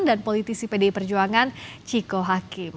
dan politisi pdi perjuangan ciko hakim